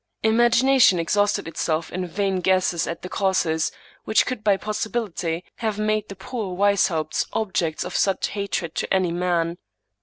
Imagination exhausted itself in vain guesses at the causes which could by possibility have made the poor Weishaupts objects of such hatred to any man.